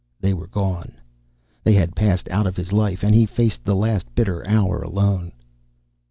They were gone. They had passed out of his life, and he faced the last bitter hour alone.